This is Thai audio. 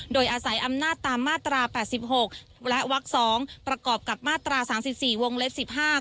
โดยอาศัยอำนาจตามมาตรา๘๖และวัก๒ประกอบกับมาตรา๓๔วงเล็บสิบห้า